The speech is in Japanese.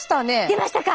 出ましたか！